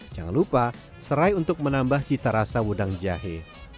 jangan lupa serai untuk menambah cita rasa wedang jahe